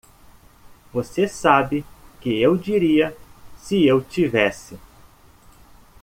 Você sabe que eu diria se eu tivesse.